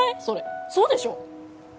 それそうでしょ！？